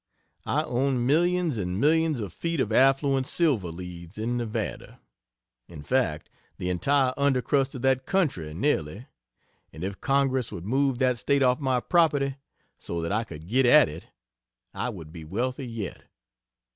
I own millions and millions of feet of affluent silver leads in Nevada in fact the entire undercrust of that country nearly, and if Congress would move that State off my property so that I could get at it, I would be wealthy yet.